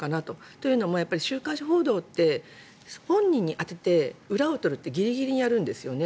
というのも週刊誌報道って本人に当てて裏を取るってギリギリにやるんですね。